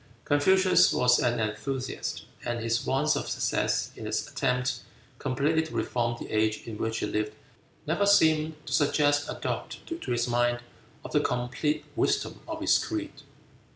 Confucius was an enthusiast, and his want of success in his attempt completely to reform the age in which he lived never seemed to suggest a doubt to his mind of the complete wisdom of his creed.